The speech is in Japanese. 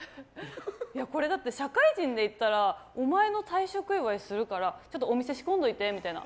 これ、だって社会人で言ったらお前の退職祝いするからちょっとお店仕込んどいてみたいな。